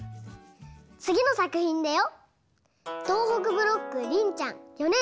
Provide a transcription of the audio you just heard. つぎのさくひんだよ。